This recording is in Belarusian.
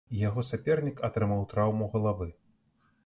Яго сапернік атрымаў траўму галавы.